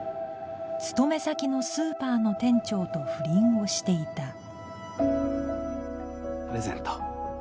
勤め先のスーパーの店長と不倫をしていたプレゼント。